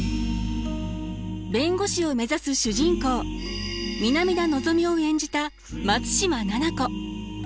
弁護士を目指す主人公南田のぞみを演じた松嶋菜々子。